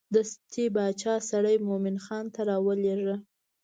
دستې باچا سړی مومن خان ته راولېږه.